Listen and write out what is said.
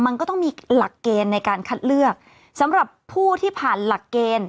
มันก็ต้องมีหลักเกณฑ์ในการคัดเลือกสำหรับผู้ที่ผ่านหลักเกณฑ์